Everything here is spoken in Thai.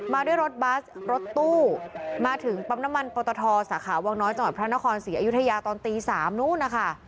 ด้วยรถบัสรถตู้มาถึงปั๊มน้ำมันปตทสาขาวังน้อยจังหวัดพระนครศรีอยุธยาตอนตี๓นู้นนะคะ